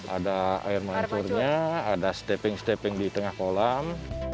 ada air mancurnya ada stepping stepping di tengah kolam